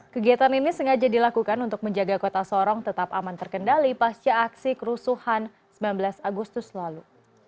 kegiatan ini sengaja dilakukan untuk menjaga kota sorong tetap aman terkendali pasca aksi kerusuhan sembilan belas agustus lalu